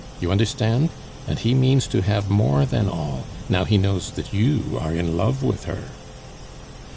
You understand? And he means to have more than all, now he knows that you are in love with her."